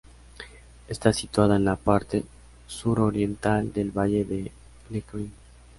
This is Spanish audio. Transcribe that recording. Está situado en la parte suroriental del Valle de Lecrín.